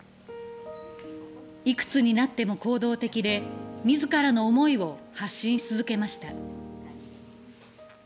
いくつになっても行動的で、自らの思いを発信し続けました。